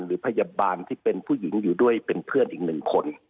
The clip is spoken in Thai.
หรือพยาบาลที่เป็นผู้หญิงอยู่ด้วยเป็นเพื่อนอีกหนึ่งคน